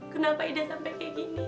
kenapa ida sampai kayak gini